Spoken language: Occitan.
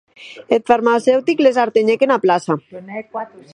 Eth farmaceutic les artenhèc ena plaça.